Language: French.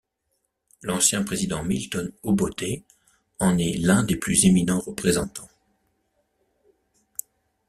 L'ancien président Milton Obote en est l'un des plus éminents représentants.